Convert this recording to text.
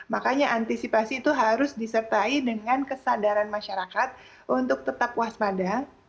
makanya antisipasi itu harus disertai dengan kesadaran masyarakat untuk tetap waspada